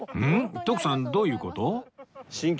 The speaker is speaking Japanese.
徳さんどういう事？